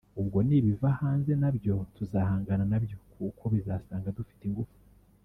ubwo n’ibiva hanze nabyo tuzahangana nabyo kuko bizasanga dufite ingufu